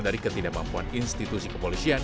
dari ketidakmampuan institusi kepolisian